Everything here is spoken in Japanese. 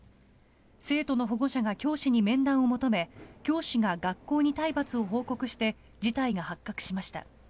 生徒の保護者が教師に面談を求め教師が学校に体罰を報告して事態が発覚しました。